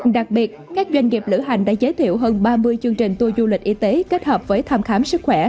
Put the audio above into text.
đặc biệt các doanh nghiệp lữ hành đã giới thiệu hơn ba mươi chương trình tour du lịch y tế kết hợp với thăm khám sức khỏe